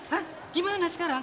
hah gimana sekarang